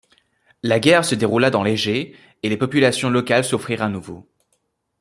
La guerre se déroula dans l'Égée et les populations locales souffrirent à nouveau.